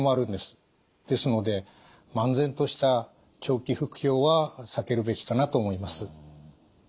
ですので漫然とした長期服用は避けるべきかなと思います。